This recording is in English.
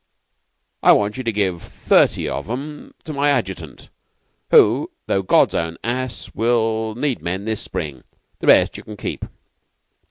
I want you to give thirty of them to my adjutant, who, though God's own ass, will need men this spring. The rest you can keep.